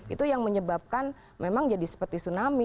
itu yang menyebabkan memang jadi seperti tsunami